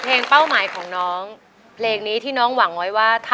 ล่ะล้อแล้ว